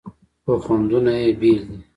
خو خوندونه یې بیل دي.